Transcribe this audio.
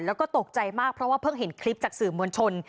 แล้วก็ตกใจมากเพราะว่าเพิ่งเห็นคลิปจากสื่อมวลชน